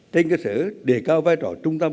trên cơ sở đề cao vai trò trung tâm